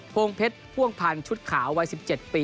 งเพชรพ่วงพันธ์ชุดขาววัย๑๗ปี